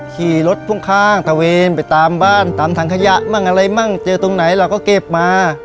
ขี่รถพ่วงข้างตะเวนไปตามบ้านตามถังขยะมั่งอะไรมั่งเจอตรงไหนเราก็เก็บมา